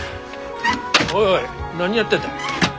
おいおい何やってんだ？